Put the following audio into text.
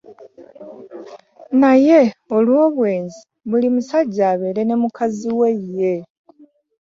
Naye, olw'obwenzi, buli musajja abeerenga ne mukazi we ye.